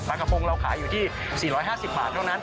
กระโปรงเราขายอยู่ที่๔๕๐บาทเท่านั้น